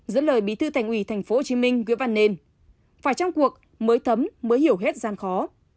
giữa lời bí thư thành ủy tp hcm nguyễn văn nên phải trong cuộc mới thấm mới hiểu hết gian khó